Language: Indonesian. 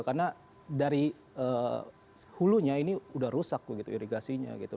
karena dari hulunya ini udah rusak begitu irigasinya gitu